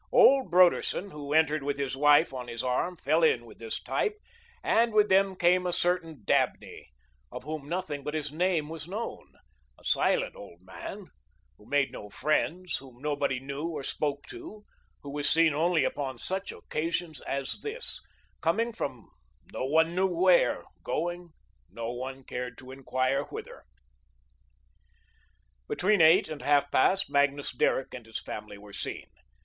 Old Broderson, who entered with his wife on his arm, fell in with this type, and with them came a certain Dabney, of whom nothing but his name was known, a silent old man, who made no friends, whom nobody knew or spoke to, who was seen only upon such occasions as this, coming from no one knew where, going, no one cared to inquire whither. Between eight and half past, Magnus Derrick and his family were seen.